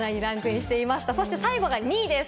そして最後が２位です。